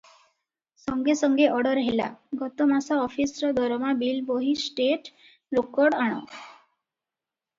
ସଙ୍ଗେ ସଙ୍ଗେ ଅଡର୍ ହେଲା- ଗତ ମାସ ଅଫିସର ଦରମା ବିଲ ବହି- ଷ୍ଟେଟ ରୋକଡ୍ ଆଣ?